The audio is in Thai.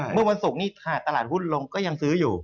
เมื่อวันศุกร์นี้หากตลาดหุ้นลงก็ยังซื้ออยู่